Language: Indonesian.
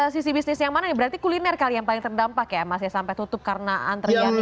sisi bisnis yang mana nih berarti kuliner kali yang paling terdampak ya mas ya sampai tutup karena antrian